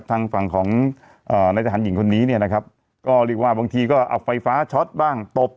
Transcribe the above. ทางฝั่งของนัยทธันหญิงคนนี้นะครับก็ลีกว่าบางทีก็ออกไฟฟ้าช็อตบ้างตบ